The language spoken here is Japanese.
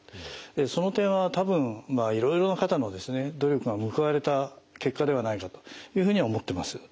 その点は多分いろいろな方の努力が報われた結果ではないかというふうに思ってます。